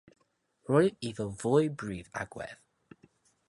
Roedd iddo ddwy brif agwedd.